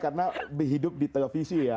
karena hidup di televisi ya